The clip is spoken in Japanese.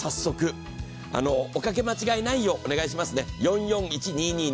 おかけ間違えないようお願いしますね。